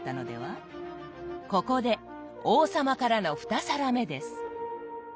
ここで王様からの２皿目です。